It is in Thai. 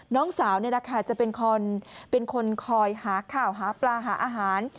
น้องสาวจะเป็นคนคอยหาข้าวหาปลาหาอาหาร